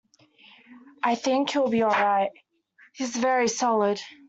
I think he’ll be all right. He’s very solid.